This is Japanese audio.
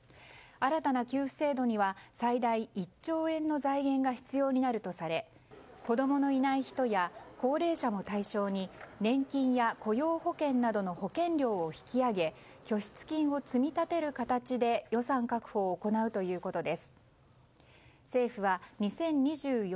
新たな給付制度には最大１兆円の財源が必要になるとされ子供のいない人や高齢者も対象に年金や雇用保険などの保険料を引き上げ拠出金を積み立てる形で予算確保を行うということです。